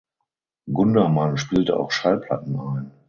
Gundermann spielte auch Schallplatten ein.